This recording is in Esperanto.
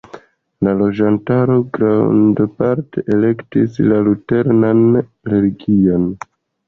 La loĝantaro grandparte elektis la luteranan religion.